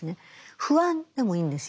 「不安」でもいいんですよ。